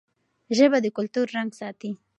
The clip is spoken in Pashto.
ژبه د کلتور رنګ ساتي.